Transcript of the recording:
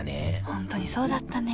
本当にそうだったね。